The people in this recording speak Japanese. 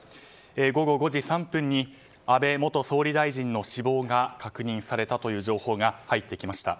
午後５時３分に安倍元総理大臣の死亡が確認されたという情報が入ってきました。